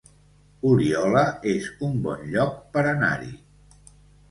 Oliola es un bon lloc per anar-hi